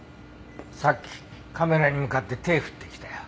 さっきカメラに向かって手振ってきたよ。